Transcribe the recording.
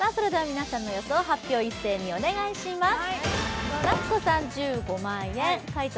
皆さんの予想発表、一斉にお願いします。